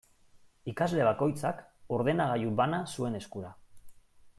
Ikasle bakoitzak ordenagailu bana zuen eskura.